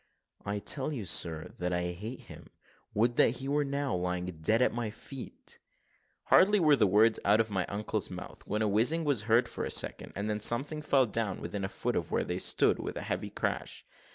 "I tell you, sir, that I hate him would that he were now lying dead at my feet!" Hardly were the words out of my uncle's mouth, when a whizzing was heard for a second, and then something fell down within a foot of where they stood, with a heavy crash.